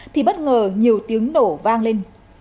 thì bất ngờ nhiều tiếng nổ vang lên